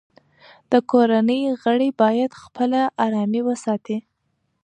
د کورنۍ غړي باید خپله ارامي وساتي.